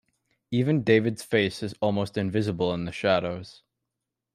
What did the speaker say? Even David's face is almost invisible in the shadows.